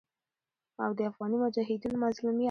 او د افغاني مجاهدينو مظلوميت